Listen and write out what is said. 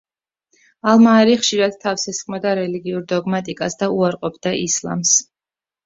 ალ-მაარი ხშირად თავს ესხმოდა რელიგიურ დოგმატიკას და უარყოფდა ისლამს.